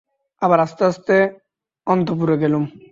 আবার আস্তে আস্তে অন্তঃপুরে গেলুম।